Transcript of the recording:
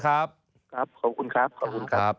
ขอบคุณครับ